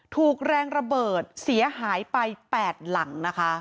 ถูกแรงระเบิดเสียหายไป๘หลังนะคะ